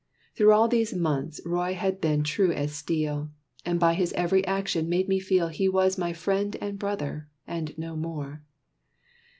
Through all these months Roy had been true as steel; And by his every action made me feel He was my friend and brother, and no more.